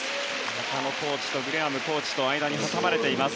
中野コーチとグレアムコーチと間に挟まれています。